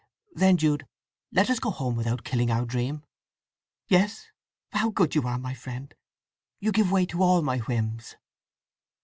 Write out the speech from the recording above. Then, Jude, let us go home without killing our dream! Yes? How good you are, my friend: you give way to all my whims!"